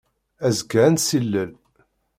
Azekka ad nessilel.